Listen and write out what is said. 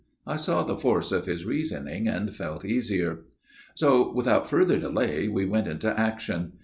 I saw the force of his reasoning, and felt easier. "So, without farther delay, we went into action.